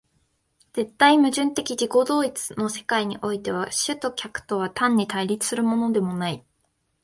絶対矛盾的自己同一の世界においては、主と客とは単に対立するのでもない。